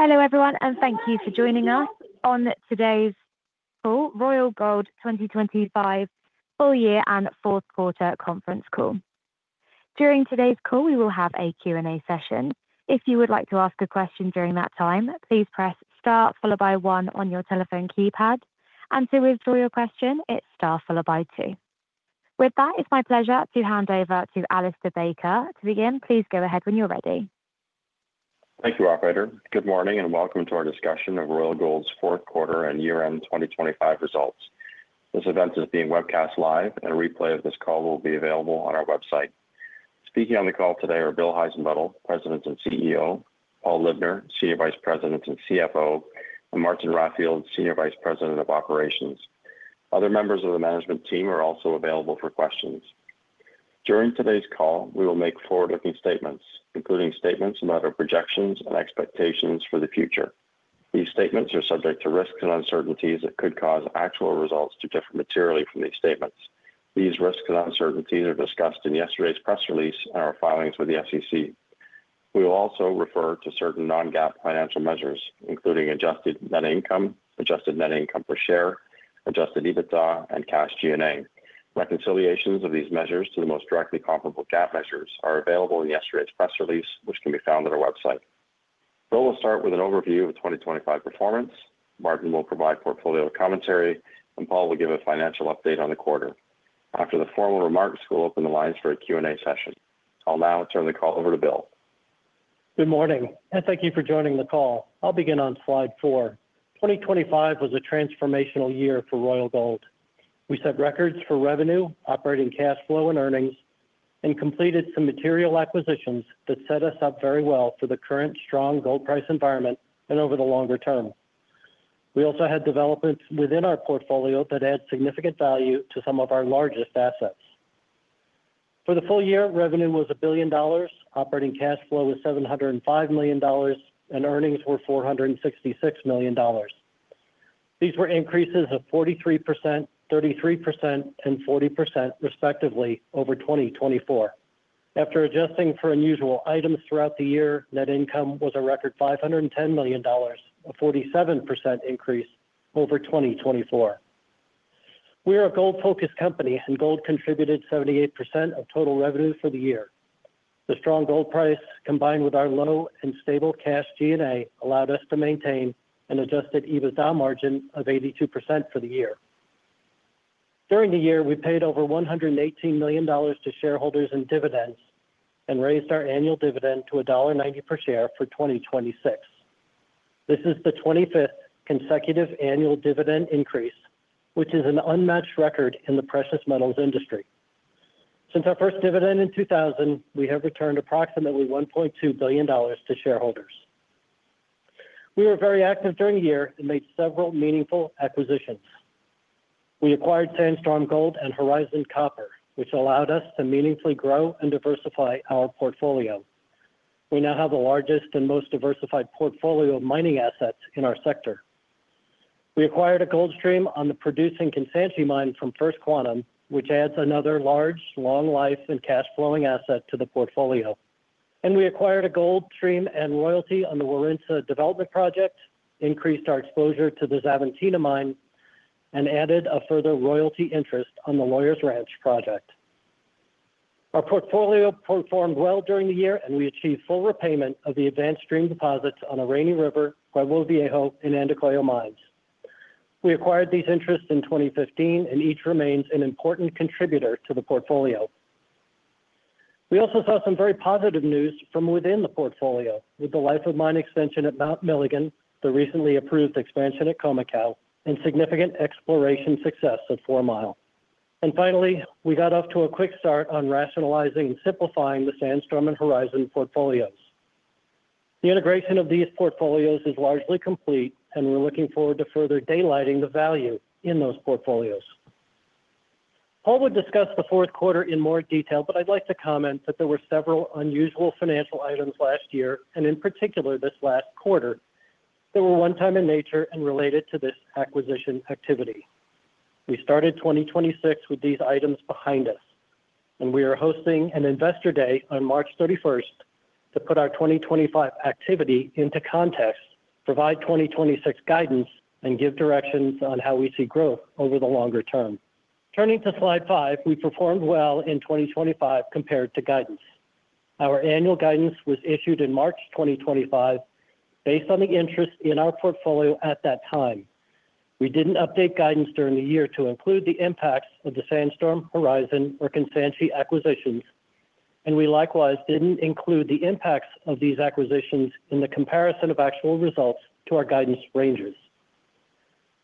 Hello, everyone, and thank you for joining us on today's call, Royal Gold 2025 full year and fourth quarter conference call. During today's call, we will have a Q&A session. If you would like to ask a question during that time, please press star followed by one on your telephone keypad. To withdraw your question, it's star followed by two. With that, it's my pleasure to hand over to Alistair Baker. To begin, please go ahead when you're ready. Thank you, operator. Good morning, and welcome to our discussion of Royal Gold's fourth quarter and year-end 2025 results. This event is being webcast live, and a replay of this call will be available on our website. Speaking on the call today are Bill Heissenbuttel, President and CEO, Paul Libner, Senior Vice President and CFO, and Martin Raffield, Senior Vice President of Operations. Other members of the management team are also available for questions. During today's call, we will make forward-looking statements, including statements about our projections and expectations for the future. These statements are subject to risks and uncertainties that could cause actual results to differ materially from these statements. These risks and uncertainties are discussed in yesterday's press release and our filings with the SEC. We will also refer to certain non-GAAP financial measures, including adjusted net income, adjusted net income per share, adjusted EBITDA and cash G&A. Reconciliations of these measures to the most directly comparable GAAP measures are available in yesterday's press release, which can be found on our website. Bill will start with an overview of the 2025 performance. Martin will provide portfolio commentary, and Paul will give a financial update on the quarter. After the formal remarks, we'll open the lines for a Q&A session. I'll now turn the call over to Bill. Good morning, and thank you for joining the call. I'll begin on slide four. 2025 was a transformational year for Royal Gold. We set records for revenue, operating cash flow, and earnings, and completed some material acquisitions that set us up very well for the current strong gold price environment and over the longer term. We also had developments within our portfolio that add significant value to some of our largest assets. For the full year, revenue was $1 billion, operating cash flow was $705 million, and earnings were $466 million. These were increases of 43%, 33%, and 40%, respectively, over 2024. After adjusting for unusual items throughout the year, net income was a record $510 million, a 47% increase over 2024. We are a gold-focused company, and gold contributed 78% of total revenue for the year. The strong gold price, combined with our low and stable cash G&A, allowed us to maintain an adjusted EBITDA margin of 82% for the year. During the year, we paid over $118 million to shareholders in dividends and raised our annual dividend to $1.90 per share for 2026. This is the 25th consecutive annual dividend increase, which is an unmatched record in the precious metals industry. Since our first dividend in 2000, we have returned approximately $1.2 billion to shareholders. We were very active during the year and made several meaningful acquisitions. We acquired Sandstorm Gold and Horizon Copper, which allowed us to meaningfully grow and diversify our portfolio. We now have the largest and most diversified portfolio of mining assets in our sector. We acquired a gold stream on the producing Kansanshi mine from First Quantum, which adds another large, long life and cash flowing asset to the portfolio. We acquired a gold stream and royalty on the Warintza development project, increased our exposure to the Xavantina mine, and added a further royalty interest on the Lawyers project. Our portfolio performed well during the year, and we achieved full repayment of the advanced stream deposits on Rainy River, Pueblo Viejo, and Andacollo mines. We acquired these interests in 2015, and each remains an important contributor to the portfolio. We also saw some very positive news from within the portfolio, with the life of mine extension at Mount Milligan, the recently approved expansion at Khoemacau, and significant exploration success at Fourmile. Finally, we got off to a quick start on rationalizing and simplifying the Sandstorm and Horizon portfolios. The integration of these portfolios is largely complete, and we're looking forward to further daylighting the value in those portfolios. Paul would discuss the fourth quarter in more detail, but I'd like to comment that there were several unusual financial items last year, and in particular, this last quarter, that were one-time in nature and related to this acquisition activity. We started 2026 with these items behind us, and we are hosting an investor day on March 31st to put our 2025 activity into context, provide 2026 guidance, and give directions on how we see growth over the longer term. Turning to slide five, we performed well in 2025 compared to guidance. Our annual guidance was issued in March 2025, based on the interest in our portfolio at that time. We didn't update guidance during the year to include the impacts of the Sandstorm, Horizon, or Kansanshi acquisitions, and we likewise didn't include the impacts of these acquisitions in the comparison of actual results to our guidance ranges.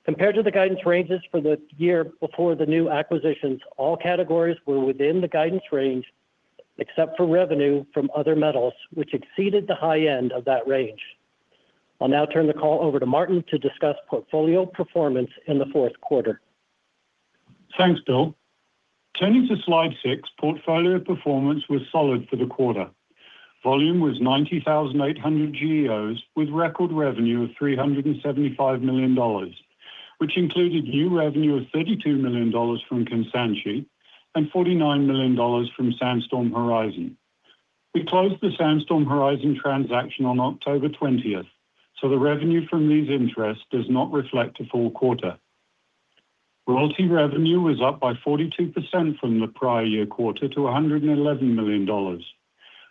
Compared to the guidance ranges for the year before the new acquisitions, all categories were within the guidance range, except for revenue from other metals, which exceeded the high end of that range. I'll now turn the call over to Martin to discuss portfolio performance in the fourth quarter. Thanks, Bill. Turning to Slide six, portfolio performance was solid for the quarter. Volume was 90,800 GEOs, with record revenue of $375 million, which included new revenue of $32 million from Kansanshi and $49 million from Sandstorm Horizon. We closed the Sandstorm Horizon transaction on October 20th, so the revenue from these interests does not reflect a full quarter. Royalty revenue was up 42% from the prior year quarter to $111 million.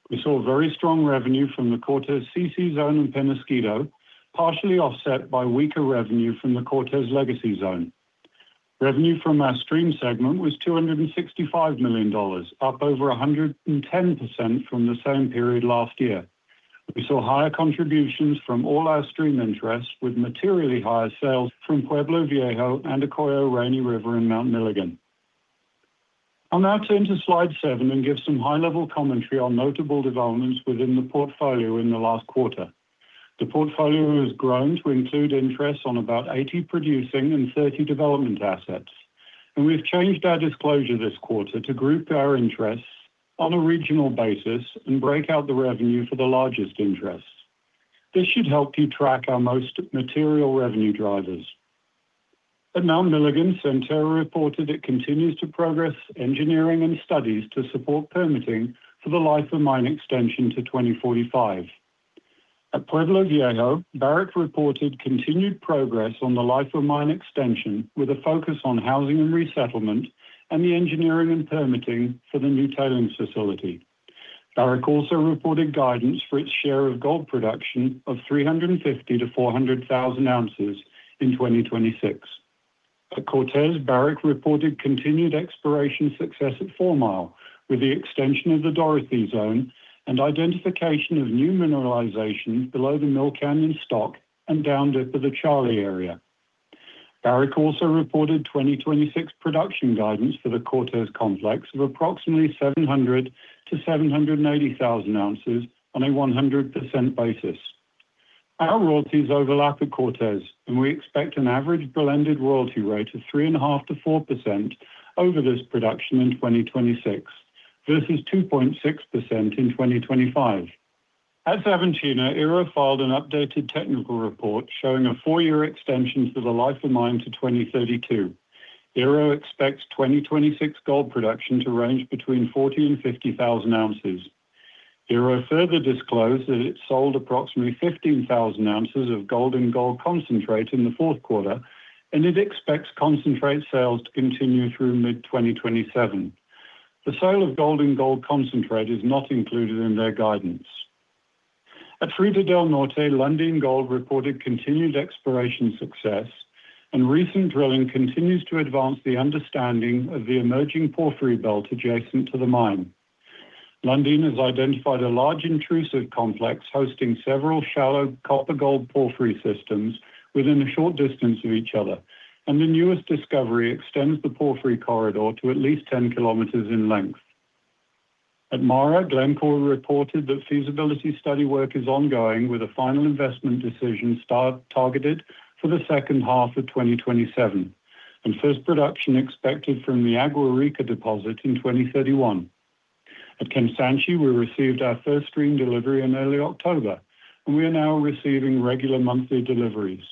We saw very strong revenue from the Cortez CC zone and Peñasquito, partially offset by weaker revenue from the Cortez Legacy Zone. Revenue from our stream segment was $265 million, up over 110% from the same period last year. We saw higher contributions from all our stream interests, with materially higher sales from Pueblo Viejo, Oyu Tolgoi, Rainy River, and Mount Milligan. I'll now turn to slide seven and give some high-level commentary on notable developments within the portfolio in the last quarter. The portfolio has grown to include interests on about 80 producing and 30 development assets, and we've changed our disclosure this quarter to group our interests on a regional basis and break out the revenue for the largest interests. This should help you track our most material revenue drivers. At Mount Milligan, Centerra reported it continues to progress engineering and studies to support permitting for the life of mine extension to 2045. At Pueblo Viejo, Barrick reported continued progress on the life of mine extension, with a focus on housing and resettlement and the engineering and permitting for the new tailings facility. Barrick also reported guidance for its share of gold production of 350,000 oz-400,000 oz in 2026. At Cortez, Barrick reported continued exploration success at Fourmile, with the extension of the Dorothy Zone and identification of new mineralization below the Mill Canyon stock and down dip of the Charlie area. Barrick also reported 2026 production guidance for the Cortez Complex of approximately 700,000 oz-780,000 oz on a 100% basis. Our royalties overlap at Cortez, and we expect an average blended royalty rate of 3.5%-4% over this production in 2026, versus 2.6% in 2025. At Xavantina, Ero filed an updated technical report showing a four-year extension to the life of mine to 2032. Ero expects 2026 gold production to range between 40,000 oz -50,000 oz. Ero further disclosed that it sold approximately 15,000 oz of gold and gold concentrate in the fourth quarter, and it expects concentrate sales to continue through mid-2027. The sale of gold and gold concentrate is not included in their guidance. At Fruta del Norte, Lundin Gold reported continued exploration success, and recent drilling continues to advance the understanding of the emerging porphyry belt adjacent to the mine. Lundin has identified a large intrusive complex hosting several shallow copper-gold porphyry systems within a short distance of each other, and the newest discovery extends the porphyry corridor to at least 10 km in length. At Mara, Glencore reported that feasibility study work is ongoing, with a final investment decision start targeted for the second half of 2027, and first production expected from the Agua Rica deposit in 2031. At Kansanshi, we received our first stream delivery in early October, and we are now receiving regular monthly deliveries.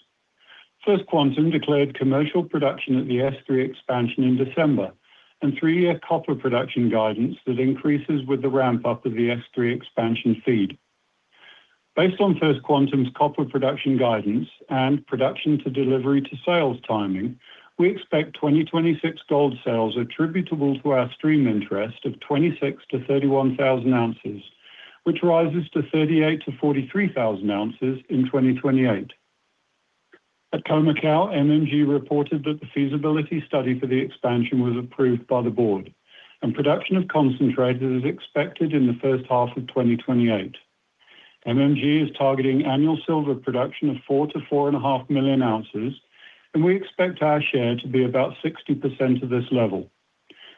First Quantum declared commercial production at the S3 expansion in December, and three-year copper production guidance that increases with the ramp-up of the S3 expansion feed. Based on First Quantum's copper production guidance and production to delivery to sales timing, we expect 2026 gold sales attributable to our stream interest of 26,000 oz-31,000 oz, which rises to 38,000 oz-43,000 oz in 2028. At Khoemacau, MMG reported that the feasibility study for the expansion was approved by the board, and production of concentrate is expected in the first half of 2028. MMG is targeting annual silver production of 4,000,000 oz-4,500,000 oz, and we expect our share to be about 60% of this level.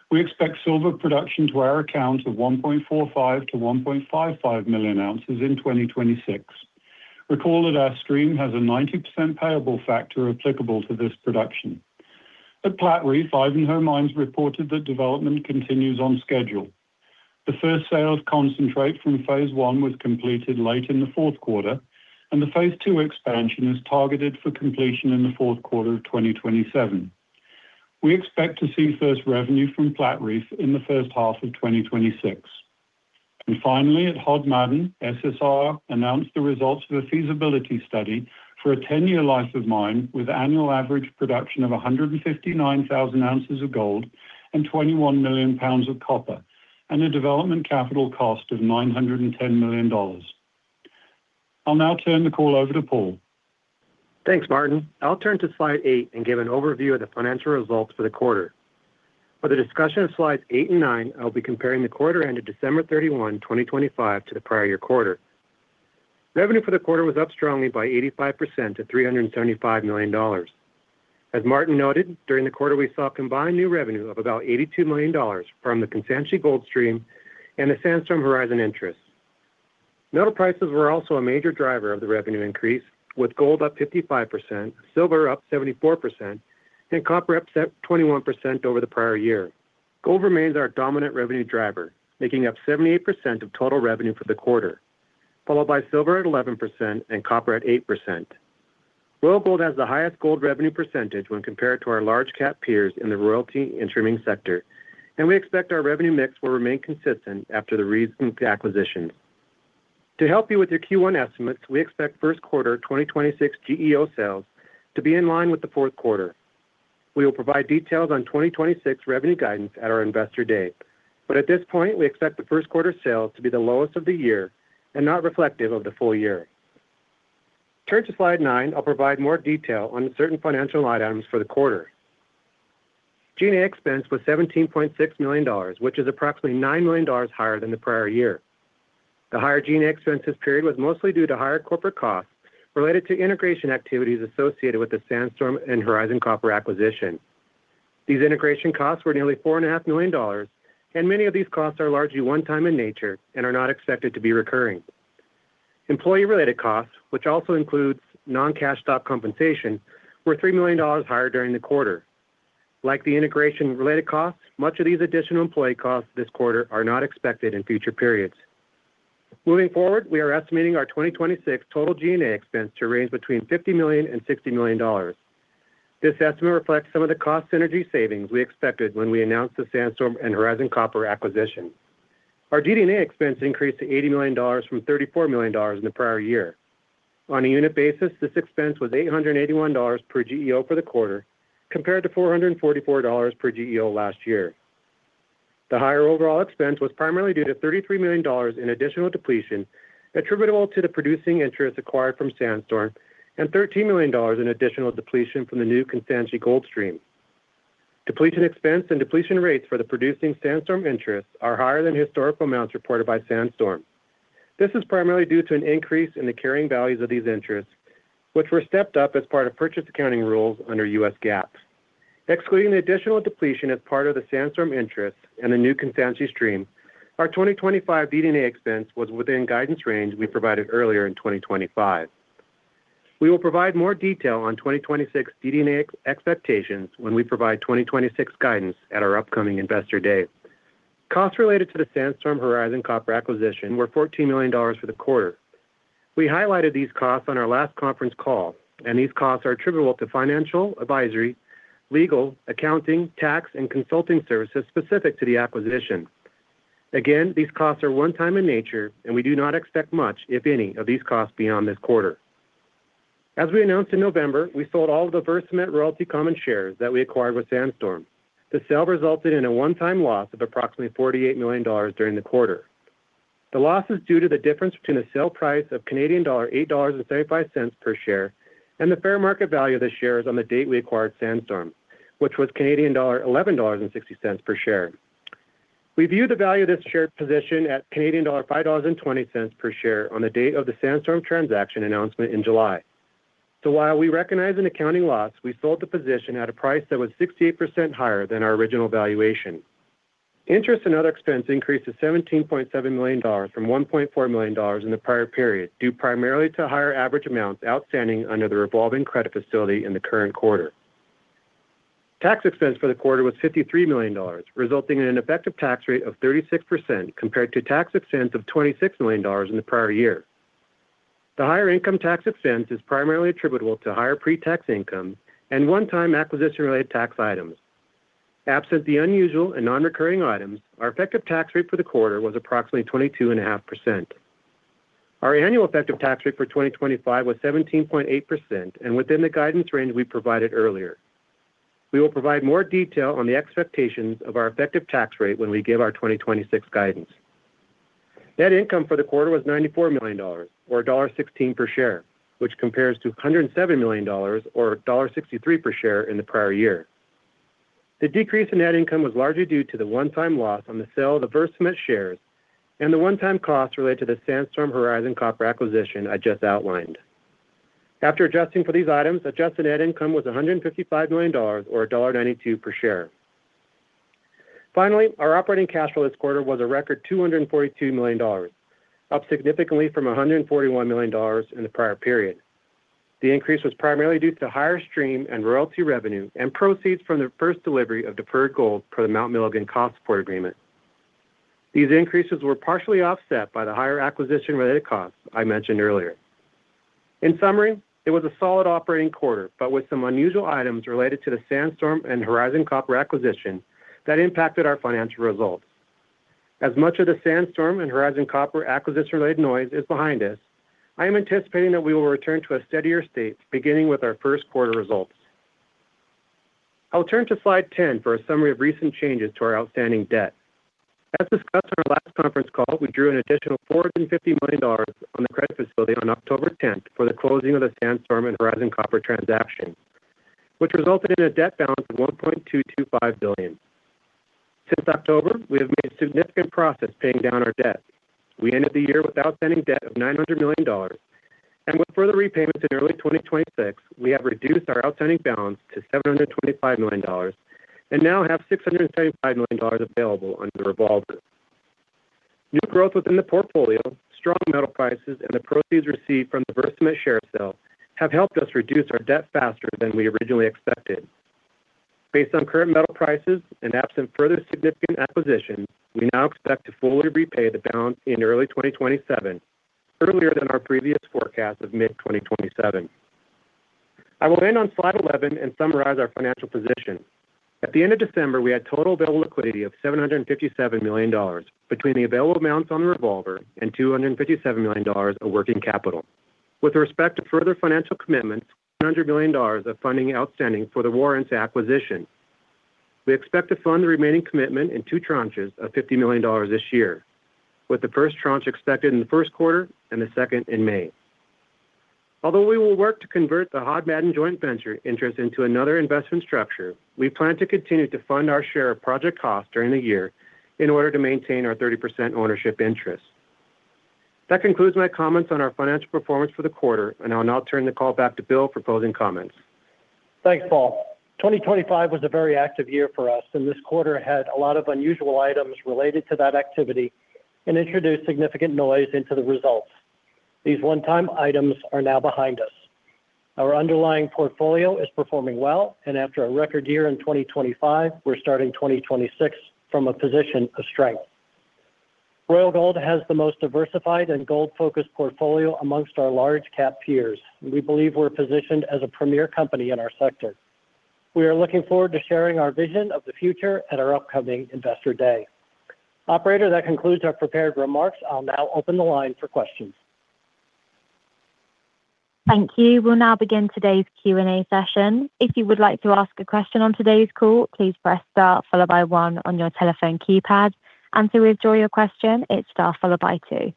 We expect silver production to our account of 1,450,000 oz-1,550,000 oz in 2026. Recall that our stream has a 90% payable factor applicable to this production. At Platreef, Ivanhoe Mines reported that development continues on schedule. The first sale of concentrate from phase I was completed late in the fourth quarter, and the phase II expansion is targeted for completion in the fourth quarter of 2027. We expect to see first revenue from Platreef in the first half of 2026. Finally, at Hod Maden, SSR announced the results of a feasibility study for a 10-year life of mine, with annual average production of 159,000 oz of gold and 21,000,000 lbs of copper, and a development capital cost of $910 million. I'll now turn the call over to Paul. Thanks, Martin. I'll turn to slide eight and give an overview of the financial results for the quarter. For the discussion of slides eight and nine, I'll be comparing the quarter ended December 31, 2025, to the prior year quarter. Revenue for the quarter was up strongly by 85% to $375 million. As Martin noted, during the quarter, we saw combined new revenue of about $82 million from the Kansanshi Gold Stream and the Sandstorm Horizon interest. Metal prices were also a major driver of the revenue increase, with gold up 55%, silver up 74%, and copper up 21% over the prior year. Gold remains our dominant revenue driver, making up 78% of total revenue for the quarter. Followed by silver at 11% and copper at 8%. Royal Gold has the highest gold revenue percentage when compared to our large cap peers in the royalty and streaming sector, and we expect our revenue mix will remain consistent after the recent acquisition. To help you with your Q1 estimates, we expect first quarter 2026 GEO sales to be in line with the fourth quarter. We will provide details on 2026 revenue guidance at our Investor Day, but at this point, we expect the first quarter sales to be the lowest of the year and not reflective of the full year. Turn to slide nine, I'll provide more detail on certain financial line items for the quarter. G&A expense was $17.6 million, which is approximately $9 million higher than the prior year. The higher G&A expense this period was mostly due to higher corporate costs related to integration activities associated with the Sandstorm and Horizon Copper acquisition. These integration costs were nearly $4.5 million, and many of these costs are largely one-time in nature and are not expected to be recurring. Employee-related costs, which also includes non-cash stock compensation, were $3 million higher during the quarter. Like the integration-related costs, much of these additional employee costs this quarter are not expected in future periods. Moving forward, we are estimating our 2026 total G&A expense to range between $50 million-$60 million. This estimate reflects some of the cost synergy savings we expected when we announced the Sandstorm and Horizon Copper acquisition. Our DD&A expense increased to $80 million from $34 million in the prior year. On a unit basis, this expense was $881 per GEO for the quarter, compared to $444 per GEO last year. The higher overall expense was primarily due to $33 million in additional depletion, attributable to the producing interest acquired from Sandstorm, and $13 million in additional depletion from the new Kansanshi Gold Stream. Depletion expense and depletion rates for the producing Sandstorm interests are higher than historical amounts reported by Sandstorm. This is primarily due to an increase in the carrying values of these interests, which were stepped up as part of purchase accounting rules under U.S. GAAP. Excluding the additional depletion as part of the Sandstorm interest and the new Kansanshi Stream, our 2025 DD&A expense was within guidance range we provided earlier in 2025. We will provide more detail on 2026 G&A expectations when we provide 2026 guidance at our upcoming Investor Day. Costs related to the Sandstorm Horizon Copper acquisition were $14 million for the quarter. We highlighted these costs on our last conference call, and these costs are attributable to financial, advisory, legal, accounting, tax, and consulting services specific to the acquisition. Again, these costs are one-time in nature, and we do not expect much, if any, of these costs beyond this quarter. As we announced in November, we sold all of the Versamet Royalty common shares that we acquired with Sandstorm. The sale resulted in a one-time loss of approximately $48 million during the quarter. The loss is due to the difference between the sale price of Canadian dollar 8.35 per share, and the fair market value of the shares on the date we acquired Sandstorm, which was Canadian dollar 11.60 per share. We view the value of this share position at Canadian dollar 5.20 per share on the date of the Sandstorm transaction announcement in July. So while we recognize an accounting loss, we sold the position at a price that was 68% higher than our original valuation. Interest and other expenses increased to $17.7 million from $1.4 million in the prior period, due primarily to higher average amounts outstanding under the revolving credit facility in the current quarter. Tax expense for the quarter was $53 million, resulting in an effective tax rate of 36%, compared to tax expense of $26 million in the prior year. The higher income tax expense is primarily attributable to higher pre-tax income and one-time acquisition-related tax items. Absent the unusual and non-recurring items, our effective tax rate for the quarter was approximately 22.5%. Our annual effective tax rate for 2025 was 17.8% and within the guidance range we provided earlier. We will provide more detail on the expectations of our effective tax rate when we give our 2026 guidance. Net income for the quarter was $94 million, or $1.16 per share, which compares to $170 million or $1.63 per share in the prior year. The decrease in net income was largely due to the one-time loss on the sale of the Versamet shares and the one-time costs related to the Sandstorm and Horizon Copper acquisition I just outlined. After adjusting for these items, adjusted net income was $155 million or $1.92 per share. Finally, our operating cash flow this quarter was a record $242 million, up significantly from $141 million in the prior period. The increase was primarily due to higher stream and royalty revenue and proceeds from the first delivery of deferred gold per the Mount Milligan Cost Support Agreement. These increases were partially offset by the higher acquisition-related costs I mentioned earlier. In summary, it was a solid operating quarter, but with some unusual items related to the Sandstorm and Horizon Copper acquisition that impacted our financial results. As much of the Sandstorm and Horizon Copper acquisition-related noise is behind us, I am anticipating that we will return to a steadier state, beginning with our first quarter results. I'll turn to slide 10 for a summary of recent changes to our outstanding debt. As discussed on our last conference call, we drew an additional $450 million on the credit facility on October tenth for the closing of the Sandstorm and Horizon Copper transaction, which resulted in a debt balance of $1.225 billion. Since October, we have made significant progress paying down our debt. We ended the year with outstanding debt of $900 million, and with further repayments in early 2026, we have reduced our outstanding balance to $725 million and now have $635 million available under the revolver. New growth within the portfolio, strong metal prices, and the proceeds received from the Versamet share sale have helped us reduce our debt faster than we originally expected. Based on current metal prices and absent further significant acquisition, we now expect to fully repay the balance in early 2027, earlier than our previous forecast of mid-2027. I will end on slide 11 and summarize our financial position. At the end of December, we had total available liquidity of $757 million between the available amounts on the revolver and $257 million of working capital. With respect to further financial commitments, $100 million of funding outstanding for the warrants acquisition. We expect to fund the remaining commitment in two tranches of $50 million this year, with the first tranche expected in the first quarter and the second in May. Although we will work to convert the Hod Maden joint venture interest into another investment structure, we plan to continue to fund our share of project costs during the year in order to maintain our 30% ownership interest. That concludes my comments on our financial performance for the quarter, and I'll now turn the call back to Bill for closing comments. Thanks, Paul. 2025 was a very active year for us, and this quarter had a lot of unusual items related to that activity and introduced significant noise into the results. These one-time items are now behind us. Our underlying portfolio is performing well, and after a record year in 2025, we're starting 2026 from a position of strength. Royal Gold has the most diversified and gold-focused portfolio amongst our large cap peers. We believe we're positioned as a premier company in our sector. We are looking forward to sharing our vision of the future at our upcoming Investor Day. Operator, that concludes our prepared remarks. I'll now open the line for questions. Thank you. We'll now begin today's Q&A session. If you would like to ask a question on today's call, please press star followed by one on your telephone keypad, and to withdraw your question, it's star followed by two.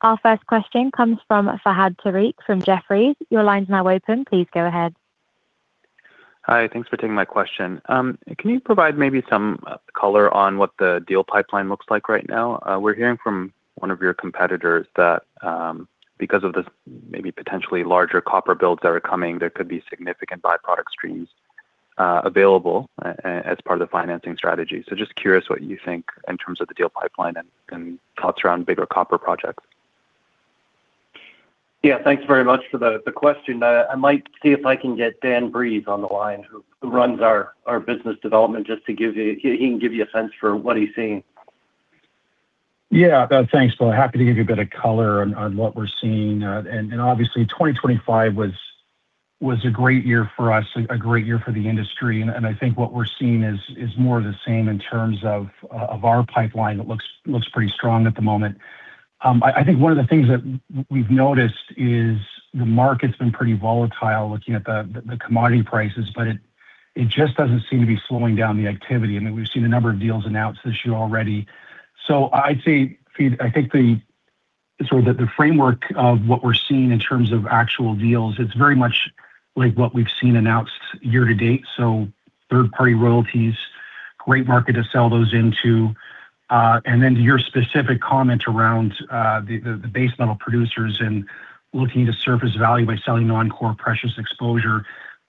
Our first question comes from Fahad Tariq from Jefferies. Your line is now open. Please go ahead. Hi, thanks for taking my question. Can you provide maybe some color on what the deal pipeline looks like right now? We're hearing from one of your competitors that, because of this, maybe potentially larger copper builds that are coming, there could be significant byproduct streams available as part of the financing strategy. So just curious what you think in terms of the deal pipeline and thoughts around bigger copper projects. Yeah, thanks very much for the question. I might see if I can get Dan Breeze on the line, who runs our business development, just to give you... He can give you a sense for what he's seeing. Yeah, thanks, Bill. Happy to give you a bit of color on what we're seeing. And obviously, 2025 was a great year for us, a great year for the industry, and I think what we're seeing is more of the same in terms of our pipeline. It looks pretty strong at the moment. I think one of the things that we've noticed is the market's been pretty volatile, looking at the commodity prices, but it just doesn't seem to be slowing down the activity. I mean, we've seen a number of deals announced this year already. So I'd say, Fahd, I think the sort of the framework of what we're seeing in terms of actual deals, it's very much like what we've seen announced year to date. So third-party royalties, great market to sell those into. And then to your specific comment around the base metal producers and looking to surface value by selling non-core precious exposure,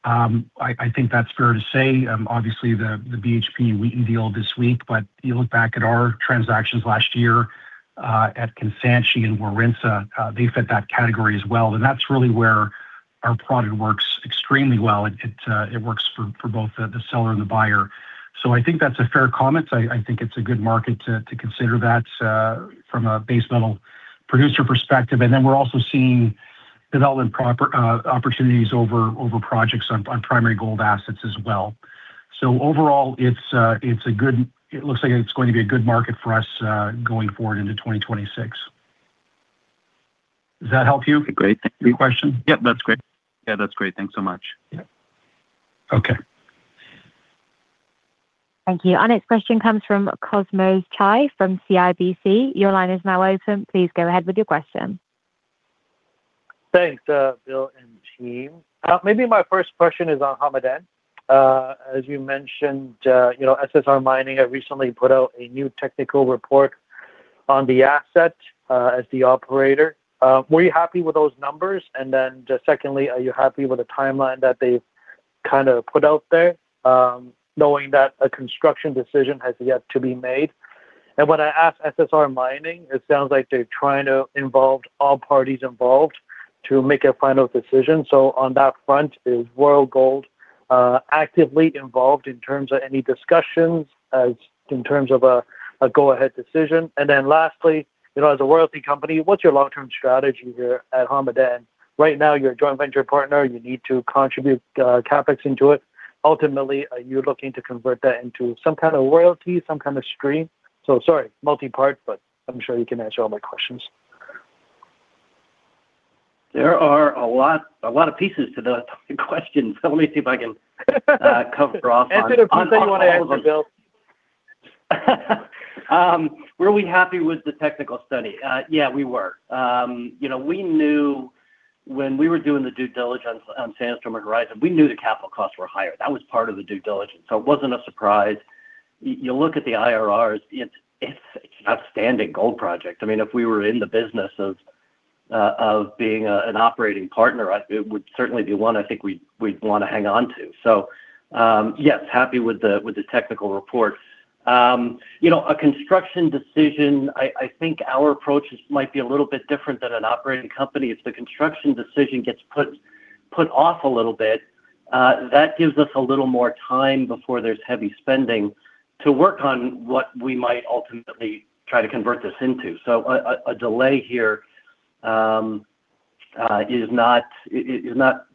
I think that's fair to say. Obviously, the BHP Wheaton deal this week, but you look back at our transactions last year at Kansanshi and Warintza, they fit that category as well, and that's really where our product works extremely well. It works for both the seller and the buyer. So I think that's a fair comment. I think it's a good market to consider that from a base metal producer perspective, and then we're also seeing development project opportunities over projects on primary gold assets as well. Overall, it's a good. It looks like it's going to be a good market for us, going forward into 2026. Does that help you? Great. Thank you for the question. Yep, that's great. Yeah, that's great. Thanks so much. Yeah. Okay. Thank you. Our next question comes from Cosmos Chiu from CIBC. Your line is now open. Please go ahead with your question. Thanks, Bill and team. Maybe my first question is on Hod Maden. As you mentioned, you know, SSR Mining have recently put out a new technical report on the asset, as the operator. Were you happy with those numbers? And then, secondly, are you happy with the timeline that they've kind of put out there, knowing that a construction decision has yet to be made? And when I asked SSR Mining, it sounds like they're trying to involve all parties involved to make a final decision. So on that front, is Royal Gold actively involved in terms of any discussions, as in terms of a go-ahead decision? And then lastly, you know, as a royalty company, what's your long-term strategy here at Hod Maden? Right now, you're a joint venture partner. You need to contribute CapEx into it. Ultimately, are you looking to convert that into some kind of royalty, some kind of stream? So sorry, multi-part, but I'm sure you can answer all my questions. There are a lot, a lot of pieces to the question, so let me see if I can cover off on- That's a good thing you want to answer, Bill. Were we happy with the technical study? Yeah, we were. You know, we knew when we were doing the due diligence on Sandstorm Horizon, we knew the capital costs were higher. That was part of the due diligence, so it wasn't a surprise. You look at the IRRs, it's an outstanding gold project. I mean, if we were in the business of being an operating partner, it would certainly be one I think we'd want to hang on to. So, yes, happy with the technical report. You know, a construction decision, I think our approach might be a little bit different than an operating company. If the construction decision gets put off a little bit, that gives us a little more time before there's heavy spending to work on what we might ultimately try to convert this into. So a delay here is not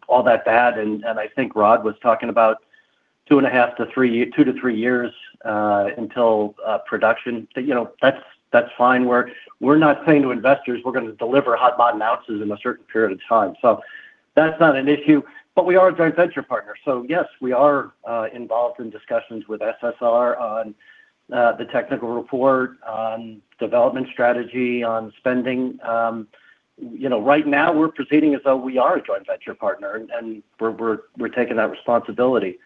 all that bad, and I think Rod was talking about 2.5-three years, two to three years, until production. But, you know, that's fine. We're not saying to investors we're gonna deliver Hod Maden ounces in a certain period of time. So that's not an issue, but we are a joint venture partner. So yes, we are involved in discussions with SSR on the technical report, on development strategy, on spending. You know, right now we're proceeding as though we are a joint venture partner, and we're taking that responsibility.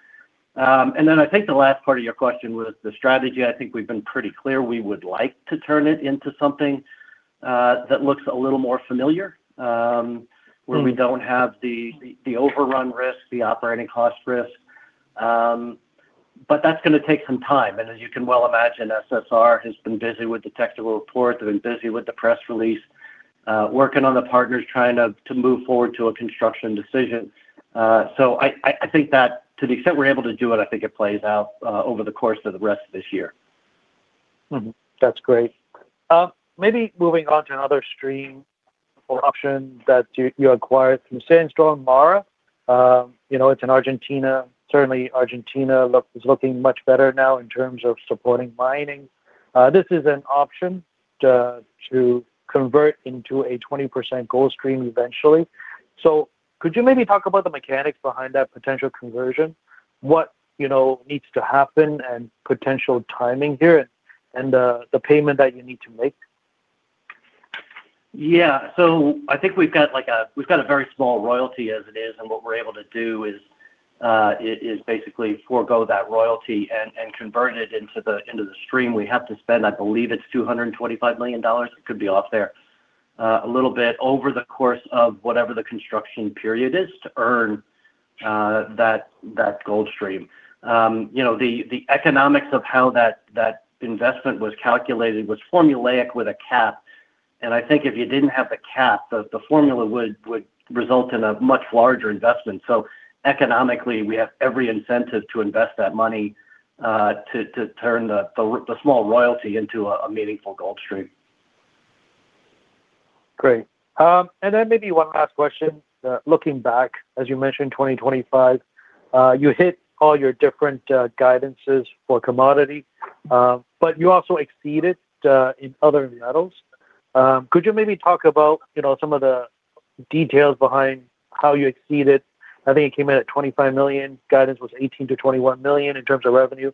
And then I think the last part of your question was the strategy. I think we've been pretty clear, we would like to turn it into something that looks a little more familiar, where we don't have the overrun risk, the operating cost risk. But that's gonna take some time, and as you can well imagine, SSR has been busy with the technical report, they've been busy with the press release, working on the partners, trying to move forward to a construction decision. So I think that to the extent we're able to do it, I think it plays out over the course of the rest of this year. Mm-hmm. That's great. Maybe moving on to another stream or option that you acquired from Sandstorm, Mara. You know, it's in Argentina. Certainly Argentina is looking much better now in terms of supporting mining. This is an option to convert into a 20% gold stream eventually. So could you maybe talk about the mechanics behind that potential conversion? What needs to happen, and potential timing here, and the payment that you need to make? Yeah. So I think we've got like a—we've got a very small royalty as it is, and what we're able to do is basically forgo that royalty and convert it into the stream. We have to spend, I believe it's $225 million, it could be off there a little bit over the course of whatever the construction period is, to earn that gold stream. You know, the economics of how that investment was calculated was formulaic with a cap, and I think if you didn't have the cap, the formula would result in a much larger investment. So economically, we have every incentive to invest that money to turn the small royalty into a meaningful gold stream. Great. And then maybe one last question. Looking back, as you mentioned, 2025, you hit all your different guidances for commodity, but you also exceeded in other metals. Could you maybe talk about, you know, some of the details behind how you exceeded? I think it came in at $25 million. Guidance was $18 million-$21 million in terms of revenue.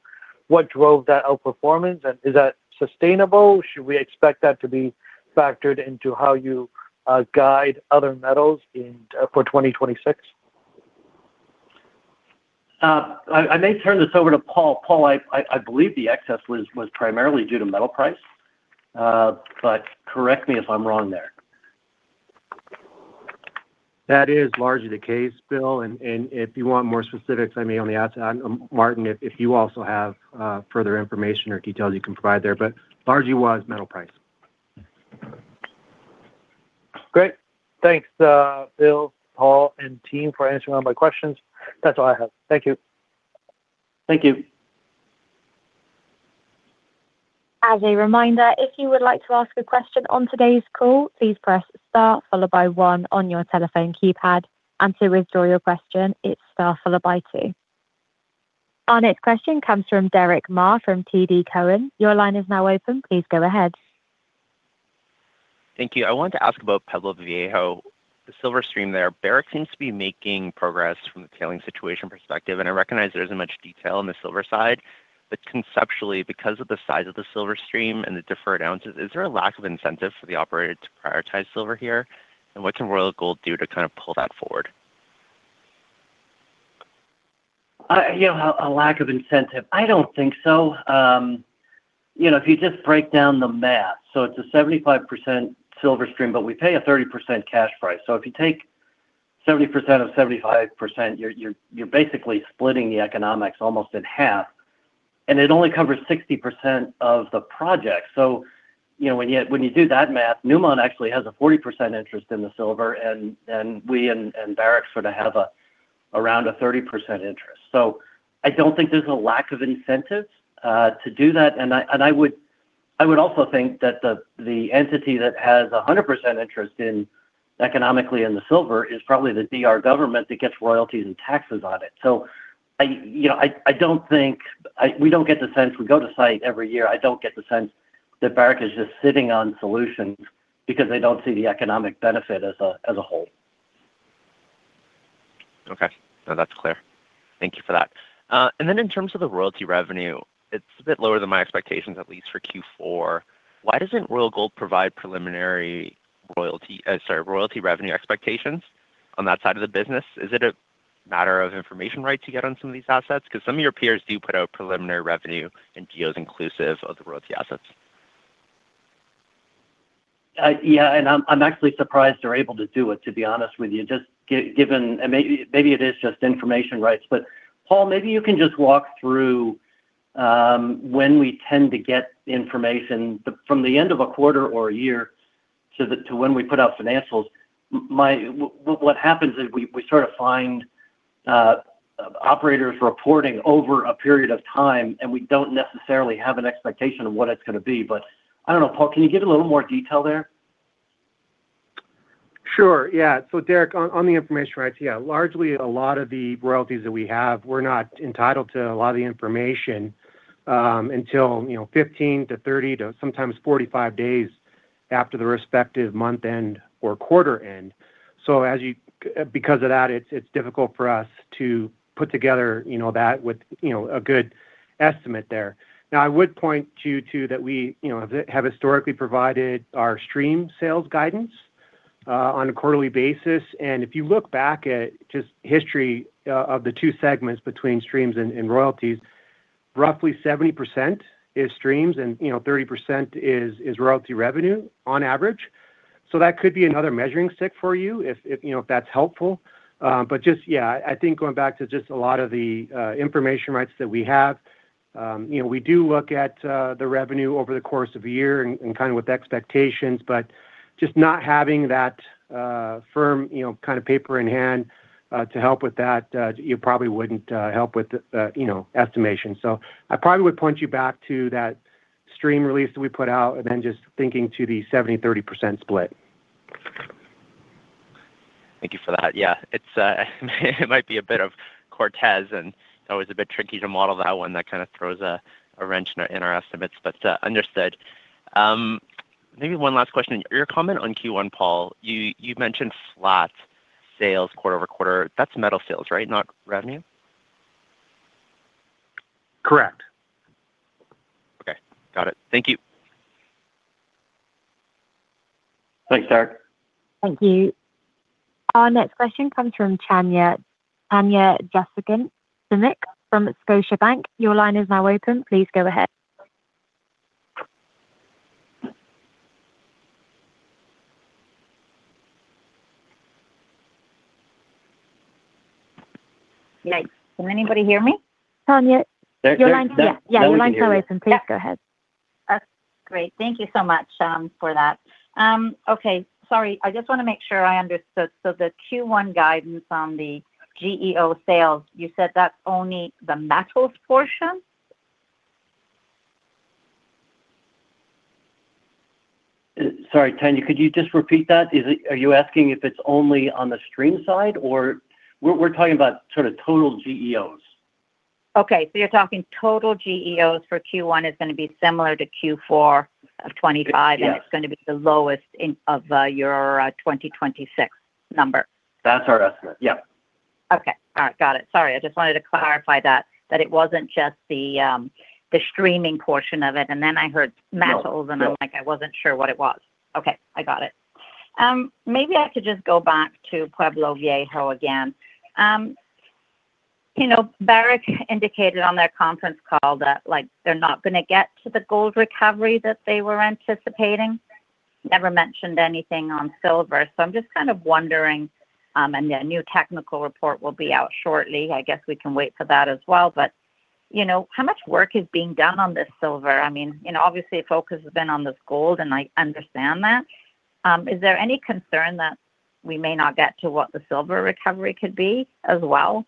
What drove that outperformance, and is that sustainable? Should we expect that to be factored into how you guide other metals in for 2026? I may turn this over to Paul. Paul, I believe the excess was primarily due to metal price. But correct me if I'm wrong there. That is largely the case, Bill, and if you want more specifics, I may on the outside... Martin, if you also have further information or details you can provide there, but largely was metal price. Great. Thanks, Bill, Paul, and team for answering all my questions. That's all I have. Thank you. Thank you. As a reminder, if you would like to ask a question on today's call, please press star followed by one on your telephone keypad. To withdraw your question, it's star followed by two. Our next question comes from Derick Ma from TD Cowen. Your line is now open. Please go ahead. Thank you. I wanted to ask about Pueblo Viejo, the silver stream there. Barrick seems to be making progress from the tailing situation perspective, and I recognize there isn't much detail on the silver side, but conceptually, because of the size of the silver stream and the deferred ounces, is there a lack of incentive for the operator to prioritize silver here? And what can Royal Gold do to kind of pull that forward? You know, a lack of incentive? I don't think so. You know, if you just break down the math, so it's a 75% silver stream, but we pay a 30% cash price. So if you take 70% of 75%, you're basically splitting the economics almost in half, and it only covers 60% of the project. So, you know, when you do that math, Newmont actually has a 40% interest in the silver, and we and Barrick sort of have around a 30% interest. So I don't think there's a lack of incentive to do that, and I would also think that the entity that has a 100% interest economically in the silver is probably the DR government that gets royalties and taxes on it. So, you know, I don't think we don't get the sense. We go to site every year. I don't get the sense that Barrick is just sitting on solutions, because they don't see the economic benefit as a whole. Okay. No, that's clear. Thank you for that. And then in terms of the royalty revenue, it's a bit lower than my expectations, at least for Q4. Why doesn't Royal Gold provide preliminary royalty, sorry, royalty revenue expectations on that side of the business? Is it a matter of information right to get on some of these assets? Because some of your peers do put out preliminary revenue and deals inclusive of the royalty assets. Yeah, and I'm actually surprised they're able to do it, to be honest with you, just given and maybe it is just information rights. But Paul, maybe you can just walk through when we tend to get information from the end of a quarter or a year to when we put out financials. What happens is we sort of find operators reporting over a period of time, and we don't necessarily have an expectation of what it's going to be, but I don't know. Paul, can you give a little more detail there? Sure. Yeah. So Derick, on the information rights, yeah, largely, a lot of the royalties that we have, we're not entitled to a lot of the information until, you know, 15 to 30, sometimes 45 days after the respective month-end or quarter end. So as you, because of that, it's difficult for us to put together, you know, that with a good estimate there. Now, I would point to you, too, that we, you know, have historically provided our stream sales guidance on a quarterly basis. And if you look back at just history of the two segments between streams and royalties, roughly 70% is streams and, you know, 30% is royalty revenue on average. So that could be another measuring stick for you if, you know, if that's helpful. But just, yeah, I think going back to just a lot of the information rights that we have, you know, we do look at the revenue over the course of a year and kind of with expectations, but just not having that firm, you know, kind of paper in hand to help with that, it probably wouldn't help with the estimation. So I probably would point you back to that stream release that we put out and then just thinking to the 70/30 percent split. Thank you for that. Yeah, it's, it might be a bit of Cortez, and it's always a bit tricky to model that one. That kind of throws a wrench in our estimates, but, understood. Maybe one last question. Your comment on Q1, Paul, you mentioned gold sales quarter-over-quarter. That's metal sales, right? Not revenue? Correct. Okay. Got it. Thank you. Thanks, Derick. Thank you. Our next question comes from Tanya. Tanya Jakusconek from Scotiabank. Your line is now open. Please go ahead. Nice. Can anybody hear me? Tanya, your line. Yeah. Yeah, your line is open. Please go ahead. That's great. Thank you so much, for that. Okay, sorry, I just want to make sure I understood. So the Q1 guidance on the GEO sales, you said that's only the metals portion? Sorry, Tanya, could you just repeat that? Is it? Are you asking if it's only on the stream side or... We're, we're talking about sort of total GEOs. Okay, so you're talking total GEOs for Q1 is going to be similar to Q4 of 2025. Yes. -and it's going to be the lowest in, of, your, 2026 number? That's our estimate, yep. Okay. All right. Got it. Sorry, I just wanted to clarify that, that it wasn't just the, the streaming portion of it, and then I heard metals- No. And I'm like, I wasn't sure what it was. Okay, I got it. Maybe I could just go back to Pueblo Viejo again. You know, Barrick indicated on their conference call that, like, they're not going to get to the gold recovery that they were anticipating. Never mentioned anything on silver. So I'm just kind of wondering, and a new technical report will be out shortly. I guess we can wait for that as well, but, you know, how much work is being done on this silver? I mean, you know, obviously, focus has been on this gold, and I understand that. Is there any concern that we may not get to what the silver recovery could be as well?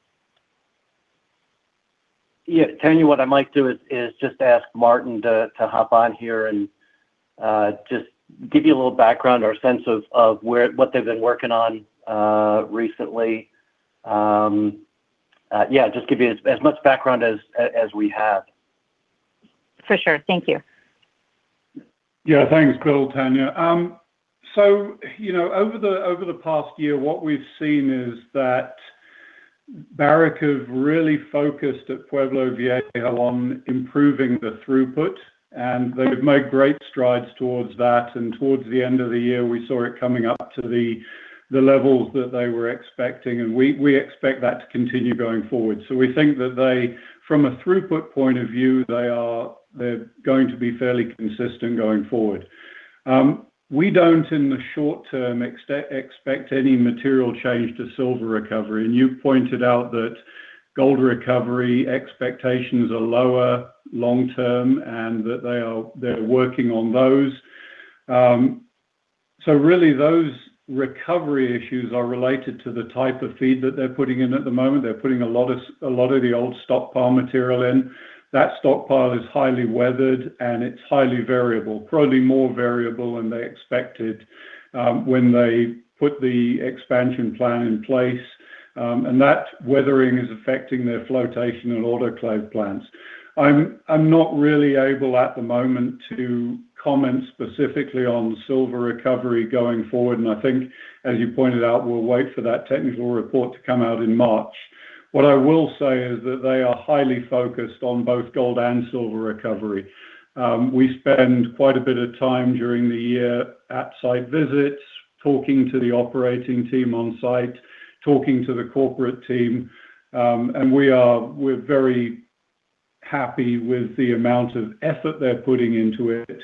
Yeah, Tanya, what I might do is just ask Martin to hop on here and just give you a little background or sense of where what they've been working on recently. Yeah, just give you as much background as we have. For sure. Thank you. Yeah. Thanks, Tanya. So, you know, over the past year, what we've seen is that Barrick have really focused at Pueblo Viejo on improving the throughput, and they've made great strides towards that, and towards the end of the year, we saw it coming up to the levels that they were expecting, and we expect that to continue going forward. So we think that they, from a throughput point of view, they're going to be fairly consistent going forward. We don't, in the short term, expect any material change to silver recovery. And you pointed out that gold recovery expectations are lower long term and that they're working on those. So really, those recovery issues are related to the type of feed that they're putting in at the moment. They're putting a lot of the old stockpile material in. That stockpile is highly weathered, and it's highly variable, probably more variable than they expected, when they put the expansion plan in place, and that weathering is affecting their flotation and autoclave plants. I'm not really able, at the moment, to comment specifically on silver recovery going forward, and I think, as you pointed out, we'll wait for that technical report to come out in March. What I will say is that they are highly focused on both gold and silver recovery. We spend quite a bit of time during the year at site visits, talking to the operating team on site, talking to the corporate team, and we are very. Happy with the amount of effort they're putting into it,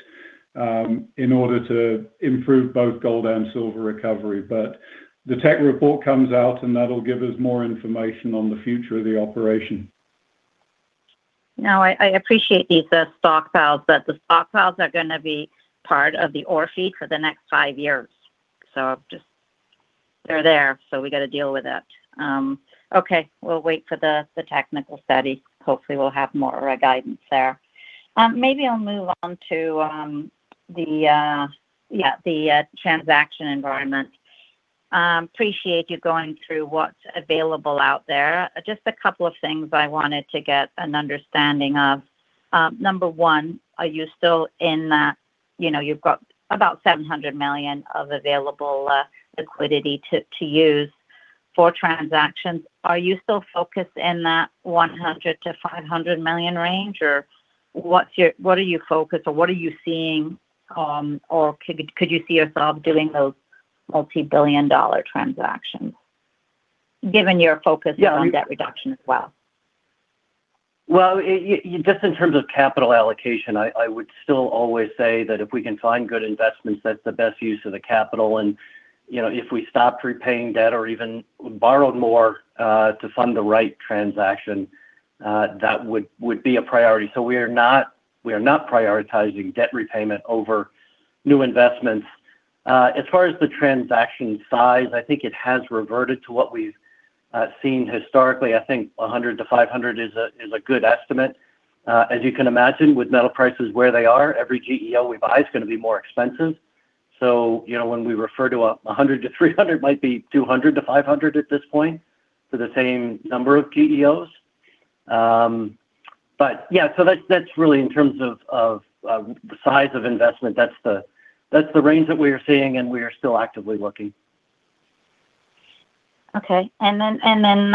in order to improve both gold and silver recovery. But the tech report comes out, and that'll give us more information on the future of the operation. Now, I appreciate these, the stockpiles, but the stockpiles are gonna be part of the ore feed for the next five years. So just they're there, so we got to deal with it. Okay, we'll wait for the technical study. Hopefully, we'll have more guidance there. Maybe I'll move on to the, yeah, the transaction environment. Appreciate you going through what's available out there. Just a couple of things I wanted to get an understanding of. Number one, are you still in that, you know, you've got about $700 million of available liquidity to use for transactions. Are you still focused in that $100 million-$500 million range, or what are you focused, or what are you seeing, or could you see yourself doing those multi-billion-dollar transactions, given your focus. Yeah. On debt reduction as well? Well, just in terms of capital allocation, I would still always say that if we can find good investments, that's the best use of the capital. And, you know, if we stopped repaying debt or even borrowed more, to fund the right transaction, that would be a priority. So we are not prioritizing debt repayment over new investments. As far as the transaction size, I think it has reverted to what we've seen historically. I think $100 million-$500 million is a good estimate. As you can imagine, with metal prices where they are, every GEO we buy is gonna be more expensive. So, you know, when we refer to $100 million-$300 million, might be $200 million-$500 million at this point for the same number of GEOs. But yeah, so that's really in terms of the size of investment. That's the range that we are seeing, and we are still actively looking. Okay. And then,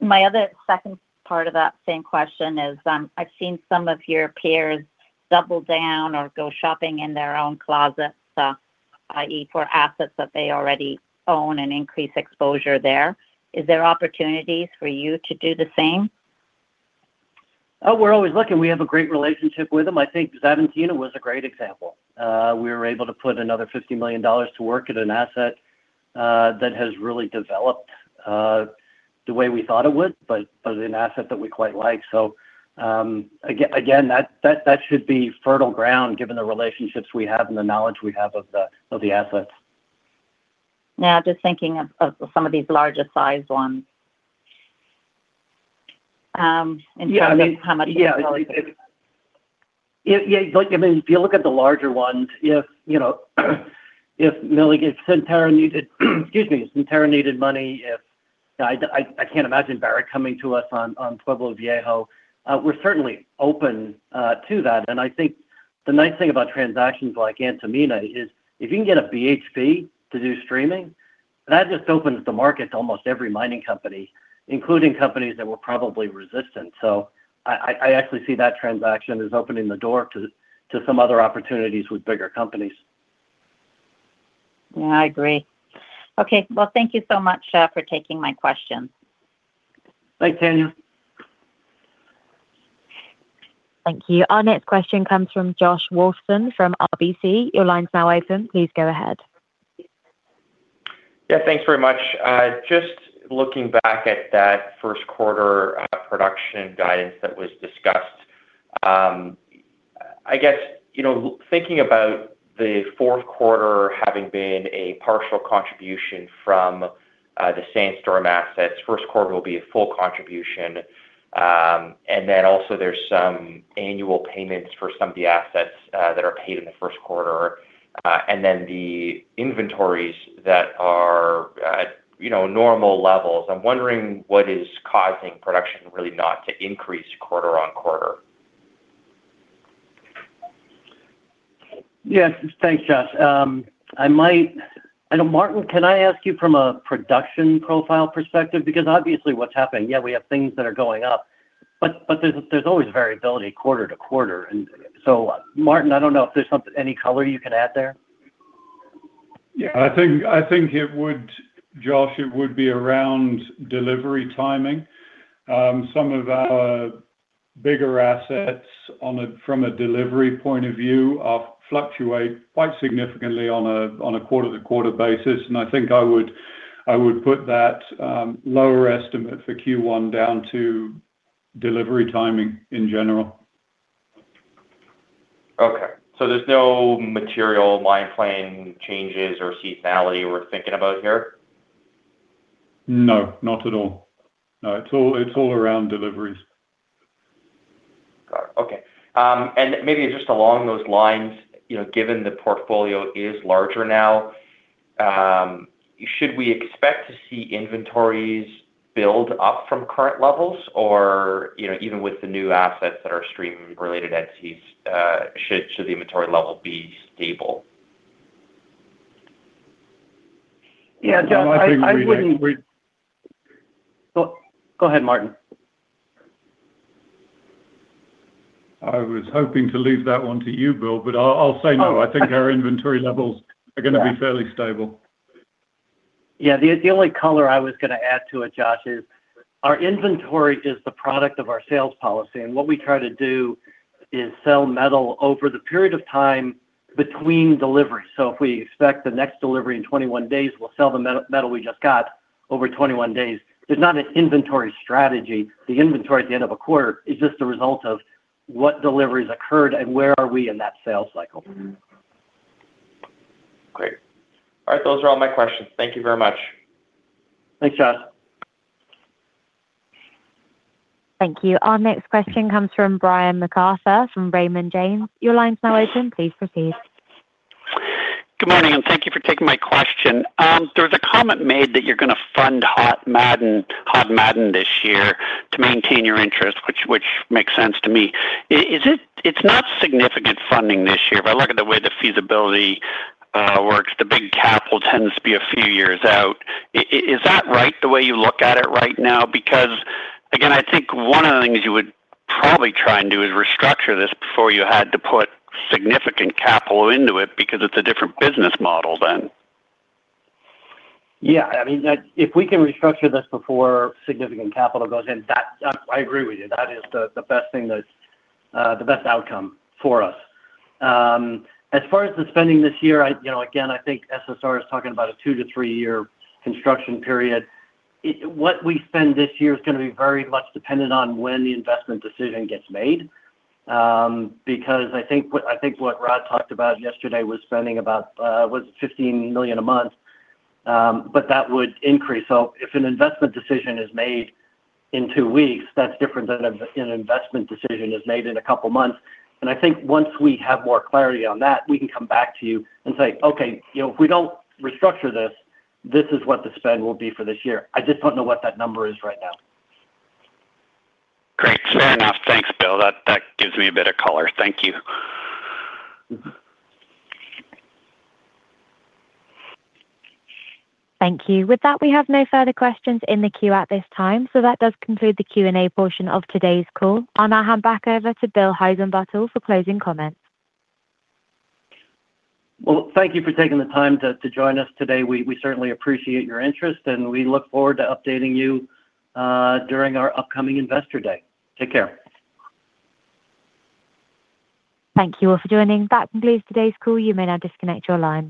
my other second part of that same question is, I've seen some of your peers double down or go shopping in their own closets, i.e., for assets that they already own and increase exposure there. Is there opportunities for you to do the same? Oh, we're always looking. We have a great relationship with them. I think Sabina was a great example. We were able to put another $50 million to work at an asset that has really developed the way we thought it would, but an asset that we quite like. So, again, that should be fertile ground, given the relationships we have and the knowledge we have of the assets. Now, just thinking of some of these larger sized ones, in terms of how much. Yeah. Yeah, if you look at the larger ones, like, I mean, if you know, if Mount Milligan Centerra needed, excuse me, if Centerra needed money, I can't imagine Barrick coming to us on Pueblo Viejo. We're certainly open to that. And I think the nice thing about transactions like Antamina is, if you can get a BHP to do streaming, that just opens the market to almost every mining company, including companies that were probably resistant. So I actually see that transaction as opening the door to some other opportunities with bigger companies. Yeah, I agree. Okay, well, thank you so much for taking my question. Thanks, Tanya. Thank you. Our next question comes from Josh Wolfson from RBC. Your line is now open. Please go ahead. Yeah, thanks very much. Just looking back at that first quarter, production guidance that was discussed, I guess, you know, thinking about the fourth quarter having been a partial contribution from, the Sandstorm assets, first quarter will be a full contribution. And then also there's some annual payments for some of the assets, that are paid in the first quarter, and then the inventories that are, at, you know, normal levels. I'm wondering, what is causing production really not to increase quarter-over-quarter? Yes. Thanks, Josh. I might, I know, Martin, can I ask you from a production profile perspective? Because obviously what's happening, yeah, we have things that are going up, but there's always variability quarter to quarter. So, Martin, I don't know if there's something, any color you can add there. Yeah. I think, I think it would, Josh, it would be around delivery timing. Some of our bigger assets on a, from a delivery point of view, fluctuate quite significantly on a, on a quarter-to-quarter basis. And I think I would, I would put that, lower estimate for Q1 down to delivery timing in general. Okay. So there's no material mine plan changes or seasonality we're thinking about here? No, not at all. No, it's all, it's all-around deliveries. Got it. Okay. And maybe just along those lines, you know, given the portfolio is larger now, should we expect to see inventories build up from current levels? Or, you know, even with the new assets that are stream-related entities, should the inventory level be stable? Yeah, Josh, I wouldn't. I think we. Go, go ahead, Martin. I was hoping to leave that one to you, Bill, but I'll say no. I think our inventory levels are gonna be fairly stable. Yeah, the only color I was gonna add to it, Josh, is our inventory is the product of our sales policy, and what we try to do is sell metal over the period of time between delivery. So if we expect the next delivery in 21 days, we'll sell the metal we just got over 21 days. There's not an inventory strategy. The inventory at the end of a quarter is just a result of what deliveries occurred and where are we in that sales cycle. Great. All right, those are all my questions. Thank you very much. Thanks, Josh. Thank you. Our next question comes from Brian MacArthur from Raymond James. Your line's now open. Please proceed. Good morning, and thank you for taking my question. There was a comment made that you're gonna fund Hod Maden this year to maintain your interest, which, which makes sense to me. Is it? It's not significant funding this year, but look at the way the feasibility works, the big capital tends to be a few years out. Is, is that right, the way you look at it right now? Because, again, I think one of the things you would probably try and do is restructure this before you had to put significant capital into it because it's a different business model then. Yeah, I mean, if we can restructure this before significant capital goes in, that, I, I agree with you. That is the, the best thing that's, the best outcome for us. As far as the spending this year, I, you know, again, I think SSR is talking about a two to three-year construction period. What we spend this year is gonna be very much dependent on when the investment decision gets made, because I think what, I think what Rod talked about yesterday was spending about, what, $15 million a month, but that would increase. So if an investment decision is made in two weeks, that's different than if an investment decision is made in a couple of months. I think once we have more clarity on that, we can come back to you and say, "Okay, you know, if we don't restructure this, this is what the spend will be for this year." I just don't know what that number is right now. Great. Fair enough. Thanks, Bill. That, that gives me a bit of color. Thank you. Thank you. With that, we have no further questions in the queue at this time, so that does conclude the Q&A portion of today's call. I'll now hand back over to Bill Heissenbuttel for closing comments. Well, thank you for taking the time to join us today. We certainly appreciate your interest, and we look forward to updating you during our upcoming Investor Day. Take care. Thank you all for joining. That concludes today's call. You may now disconnect your line.